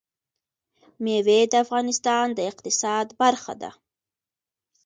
مېوې د افغانستان د اقتصاد برخه ده.